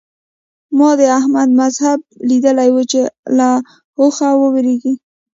ما د احمد مذهب ليدلی وو چې له اوخه وېرېږي.